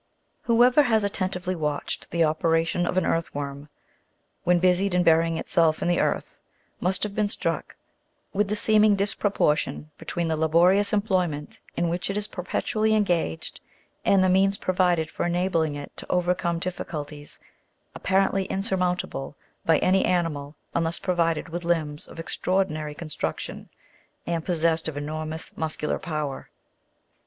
" Whoever has attentively watched the operations of an earth worm, when busied in burying itself in the earth, must have been struck with the seem ing disproportion between the laborious employment in which it is per petually engaged, and the means provided for enabling it to overcome dif "ficulties apparently insurmountable by any animal unless provided with limbs of extraordinary construction, and possessed of enormous muscular power.